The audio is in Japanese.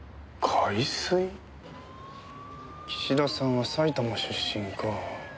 岸田さんは埼玉出身か。